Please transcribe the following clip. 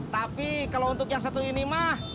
tapi kalau untuk yang satu ini mah